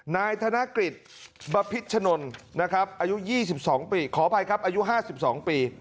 นายธนกฤษบพิษชนนนะครับอายุ๒๒ปีขออภัยครับอายุ๕๒ปี